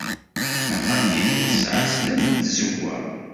Taxxamt-inu tesɛa snat n tzewwa.